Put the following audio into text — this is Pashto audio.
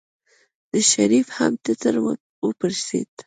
د شريف هم ټټر وپړسېد.